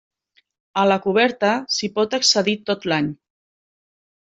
A la coberta s'hi pot accedir tot l'any.